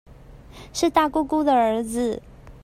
是大姑姑的兒子